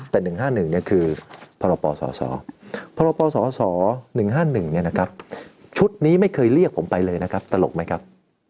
แต่๑๕๑คือพรปศพรปศ๑๕๑ชุดนี้ไม่เคยเรียกผมไปเลยนะครับตลกไหมครับ